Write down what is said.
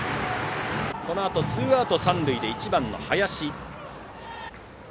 このあとツーアウト、三塁で１番の林。